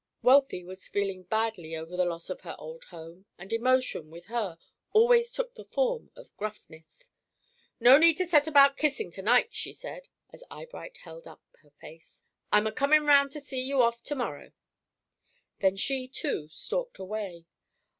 Wealthy was feeling badly over the loss of her old home; and emotion, with her, always took the form of gruffness. "No need to set about kissing to night," she said, as Eyebright held up her face, "I'm a comin' round to see you off to morrow." Then she, too, stalked away.